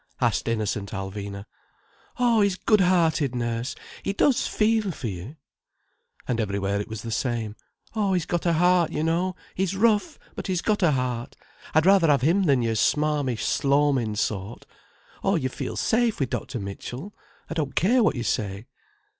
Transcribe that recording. asked innocent Alvina. "Oh, he's good hearted, nurse, he does feel for you." And everywhere it was the same: "Oh, he's got a heart, you know. He's rough, but he's got a heart. I'd rather have him than your smarmy slormin sort. Oh, you feel safe with Dr. Mitchell, I don't care what you say."